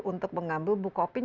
untuk mengambil bukopin